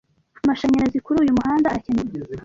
amashanyarazi kuri uyu muhanda aracyenewe